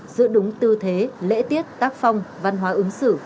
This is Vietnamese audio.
giữ đúng tư thế lễ tiết tác phong văn hóa ứng xử